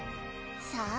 さあ？